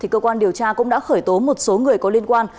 cơ quan điều tra cũng đã khởi tố một số người có liên quan